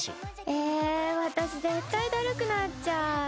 ええ私絶対だるくなっちゃう。